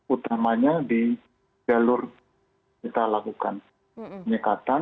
utamanya di jalur kita lakukan penyekatan